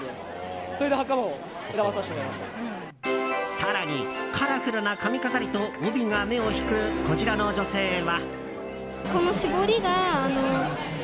更に、カラフルな髪飾りと帯が目を引くこちらの女性は。